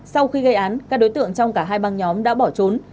sau khi gây án các đối tượng trong cả hai băng nhóm đã bỏ trốn